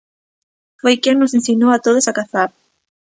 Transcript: Foi quen nos ensinou a todos a cazar.